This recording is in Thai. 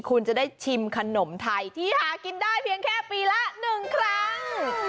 คุณจะได้ชิมขนมไทยที่หากินได้เพียงแค่ปีละ๑ครั้ง